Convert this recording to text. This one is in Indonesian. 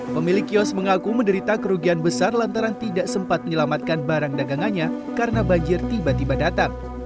pemilik kios mengaku menderita kerugian besar lantaran tidak sempat menyelamatkan barang dagangannya karena banjir tiba tiba datang